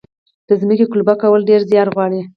د ځمکې قلبه کول ډیر زیار غواړي.